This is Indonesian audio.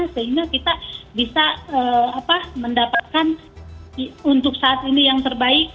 sehingga kita bisa mendapatkan untuk saat ini yang terbaik